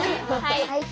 はい！